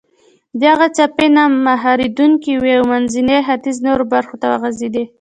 دغه څپې نه مهارېدونکې وې او منځني ختیځ نورو برخو ته وغځېدې.